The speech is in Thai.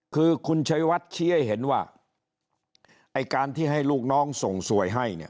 คือคุณชัยวัดชี้ให้เห็นว่าไอ้การที่ให้ลูกน้องส่งสวยให้เนี่ย